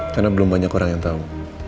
karena belum banyak orang yang tau